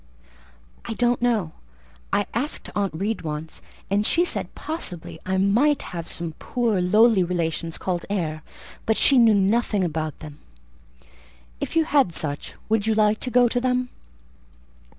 "I don't know: I asked Aunt Reed once, and she said possibly I might have some poor, low relations called Eyre, but she knew nothing about them." "If you had such, would you like to go to them?"